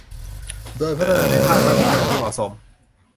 โดยพัฒนาให้ภาครัฐมีขนาดที่เหมาะสม